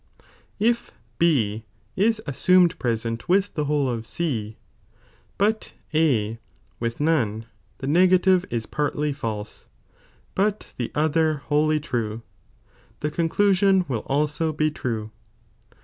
If B is bb samed present with the whole of C, but A with none, the negative is partly false, but the other wholly true, the con dorion will also t>e true.